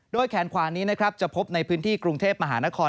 แขนขวานี้นะครับจะพบในพื้นที่กรุงเทพมหานคร